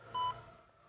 kamu sudah selesai